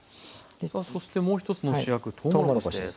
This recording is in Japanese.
そしてもう一つの主役とうもろこしです。